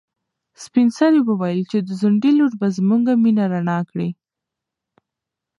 سپین سرې وویل چې د ځونډي لور به زموږ مېنه رڼا کړي.